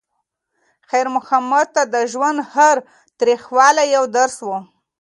خیر محمد ته د ژوند هر تریخوالی یو درس و.